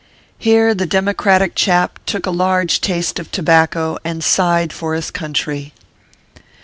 Here the democratic chap took a large taste of to bacco, and sighed for his country.